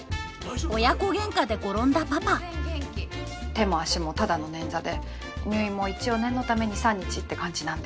親子げんかで転んだパパ手も足もただの捻挫で入院も一応念のため２３日って感じなんで。